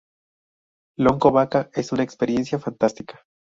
Lonco Vaca es una experiencia fantástica.